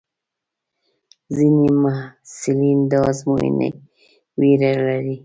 ځینې محصلین د ازموینې وېره لري.